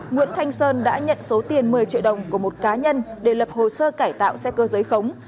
nguyễn thanh sơn đã nhận số tiền một mươi triệu đồng của một cá nhân để lập hồ sơ cải tạo xe cơ giới khống